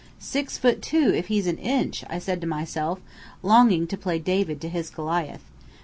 "Six foot two, if he's an inch!" I said to myself, longing to play David to his Goliath.